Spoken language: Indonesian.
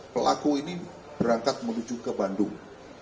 pelaku ini berangkat menuju ke bandung